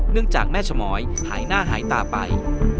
จากแม่ชมอยหายหน้าหายตาไป